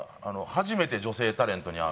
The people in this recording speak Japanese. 「初めて女性タレントに会う。